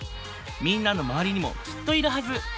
みんなの周りにもきっといるはず。